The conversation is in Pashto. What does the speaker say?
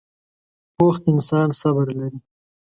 پوخ انسان صبر لري